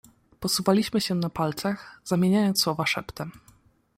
"Posuwaliśmy się na palcach, zamieniając słowa szeptem."